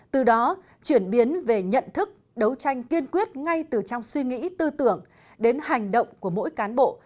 từ đó chuyển biến về nhận thức đấu tranh kiên quyết ngay từ trong suy nghĩ tư tưởng đến hành động của mỗi cán bộ